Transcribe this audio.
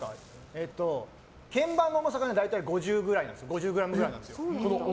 えっと、鍵盤の重さが大体５０ｇくらいなんですよ。